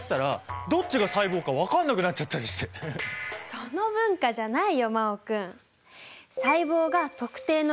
その「文化」じゃないよ真旺君。